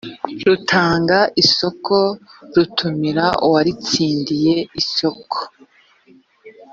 rutanga isoko rutumira uwatsindiye isoko